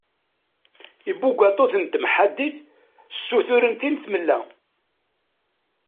Ibugaṭuten n temḥaddit ssutren tin tmella.